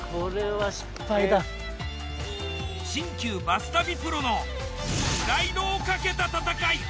新旧バス旅プロのプライドをかけた戦い。